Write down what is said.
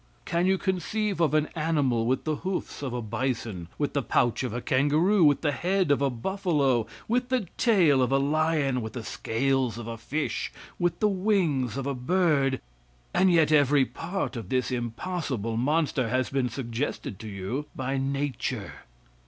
You can conceive of an animal with the hoofs of a bison, with the pouch of a kangaroo, with the head of a buffalo, with the tail of a lion, with the scales of a fish, with the wings of a bird, and yet every part of this impossible monster has been suggested to you by nature.